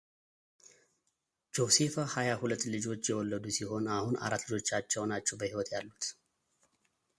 ጆሴፋ ሀያ ሁለት ልጆች የወለዱ ሲሆን አሁን አራት ልጆቻቸው ናቸው በሕይወት ያሉት።